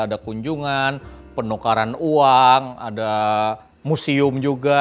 ada kunjungan penukaran uang ada museum juga